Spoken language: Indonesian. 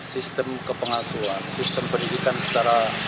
sistem kepengasuhan sistem pendidikan secara